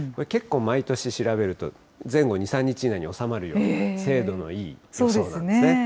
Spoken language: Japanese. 結構、毎年調べると、前後２、３日以内に収まるような、精度のいい予想なんですね。